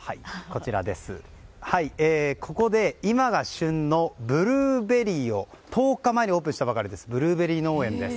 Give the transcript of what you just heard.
ここで今が旬のブルーベリーを１０日前にオープンしたばかりのブルーベリー農園です。